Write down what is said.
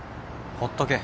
ほっとけ。